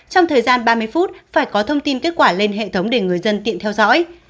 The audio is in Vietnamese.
trong thời gian ba mươi phút phải có thông tin kết quả lên hệ thống để người dân tiện theo dõi